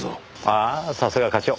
ああさすが課長。